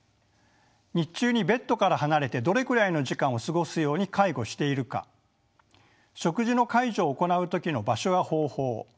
日中にベッドから離れてどれくらいの時間を過ごすように介護しているか食事の介助を行う時の場所や方法